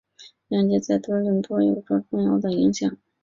央街在多伦多有着重要的影响。